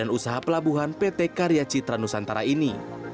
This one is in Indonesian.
dan usaha pelabuhan pt karyacitranusantara ini